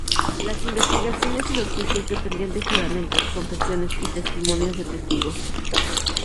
Las investigaciones y los juicios dependían de juramentos, confesiones y testimonios de testigos.